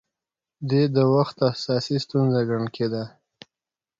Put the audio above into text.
دې د وخت اساسي ستونزه ګڼل کېده